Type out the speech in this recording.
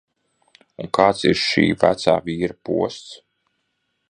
Un kāds ir šī vecā vīra posts?